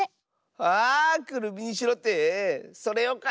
あくるみにしろってそれをかえばいいのか！